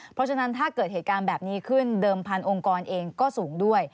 เพราะฉะนั้นถ้าเกิดเหตุการณ์แบบนี้ขึ้นเดิมพันองค์กรเองก็สูงด้วย